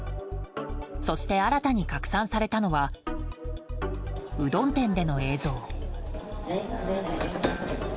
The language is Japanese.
そして、新たに拡散されたのはうどん店での映像。